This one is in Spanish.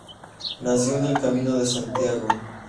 Nació en el Camino de Santiago.